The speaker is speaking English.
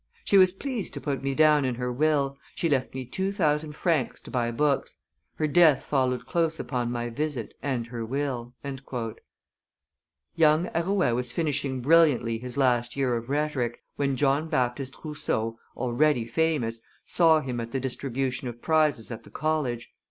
She was pleased to put me down in her will; she left me two thousand francs to buy books; her death followed close upon my visit and her will." Young Arouet was finishing brilliantly his last year of rhetoric, when John Baptist Rousseau, already famous, saw him at the distribution of prizes at the college.